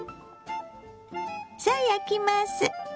さあ焼きます。